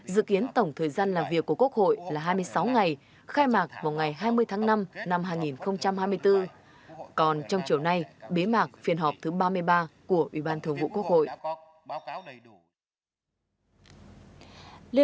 dự kiến tổng thời gian làm việc của quốc hội là hai mươi sáu ngày khai mạc vào ngày hai mươi tháng năm năm hai nghìn hai mươi bốn còn trong chiều nay bế mạc phiên họp thứ ba mươi ba của ủy ban thường vụ quốc hội